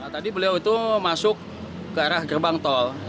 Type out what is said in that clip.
tadi beliau itu masuk ke arah gerbang tol